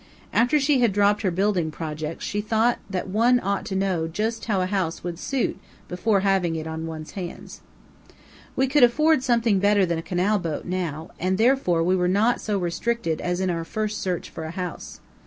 After she had dropped her building projects she thought that one ought to know just how a house would suit before having it on one's hands. We could afford something better than a canal boat now, and therefore we were not so restricted as in our first search for a house.